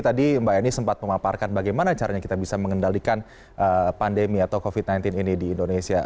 tadi mbak eni sempat memaparkan bagaimana caranya kita bisa mengendalikan pandemi atau covid sembilan belas ini di indonesia